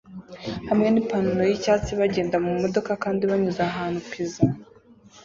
hamwe nipantaro yicyatsi bagenda mumodoka kandi banyuze ahantu pizza